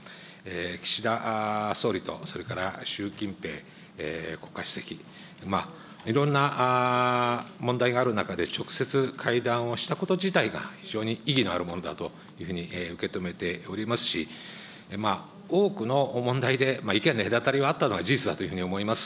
岸田総理とそれから習近平国家主席、いろんな問題がある中で、直接会談をしたこと自体が非常に意義のあるものだというふうに受け止めておりますし、多くの問題で意見の隔たりはあったのは事実だというふうに思います。